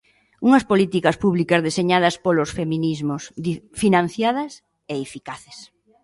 Unhas políticas públicas "deseñadas polos feminismos" financiadas e eficaces.